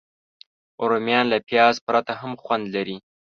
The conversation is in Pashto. رومیان له پیاز پرته هم خوند لري